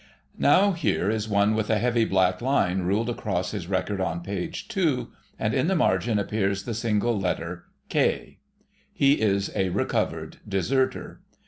Now here is one with a heavy black line ruled across his record on page 2, and in the margin appears the single letter "K" He is a recovered deserter.